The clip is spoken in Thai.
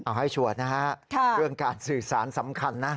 เอาให้ชัวร์นะฮะเรื่องการสื่อสารสำคัญนะ